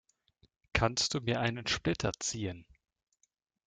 Kannst du mir einen Splitter ziehen?